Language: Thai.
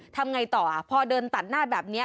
ทำไงต่อพอเดินตัดหน้าแบบนี้